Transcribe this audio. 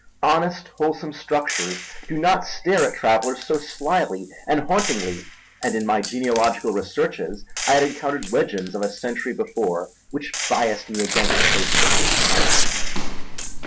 Honest, wholesome structures do not stare at travellers so slyly and hauntingly, and in my genealogical researches I had encountered legends of a century before which biassed me against places of this kind.